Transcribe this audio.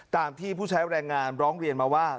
ตามที่ผู้ใช้แรงงานร้องเรียนมาว่า